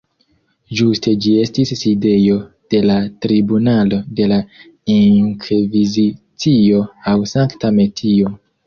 Ĝuste ĝi estis sidejo de la Tribunalo de la Inkvizicio aŭ Sankta Metio.